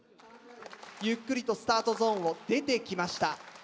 ゆっくりとスタートゾーンを出てきました。